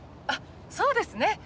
あっそうですね。